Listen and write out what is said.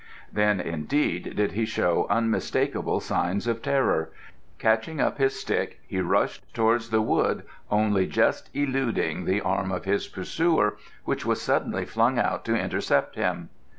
Then, indeed, did he show unmistakable signs of terror: catching up his stick, he rushed towards the wood, only just eluding the arm of his pursuer, which was suddenly flung out to intercept him.